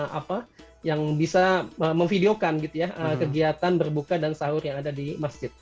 hanya pihak masjid saja yang mungkin apa yang bisa memvideokan gitu ya kegiatan berbuka dan sahur yang ada di masjid